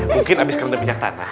mungkin abis keren minyak tanah